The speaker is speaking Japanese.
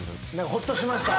ほっとしました。